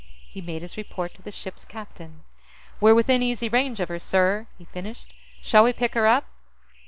He made his report to the ship's captain. "We're within easy range of her, sir," he finished. "Shall we pick her up?"